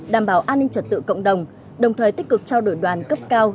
đảm bảo an ninh trật tự cộng đồng đồng thời tích cực trao đổi đoàn cấp cao